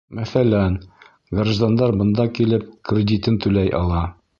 Мәҫәлән, граждандар бында килеп, кредитын түләй ала.